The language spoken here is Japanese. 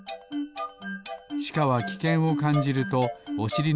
しかはきけんをかんじるとおしり